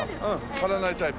貼らないタイプ。